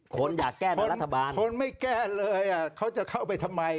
คนอยากแก้บนรัฐบาลคนไม่แก้เลยเขาจะเข้าไปทำไม